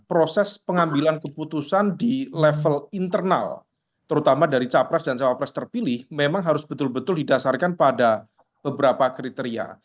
proses pengambilan keputusan di level internal terutama dari capres dan cawapres terpilih memang harus betul betul didasarkan pada beberapa kriteria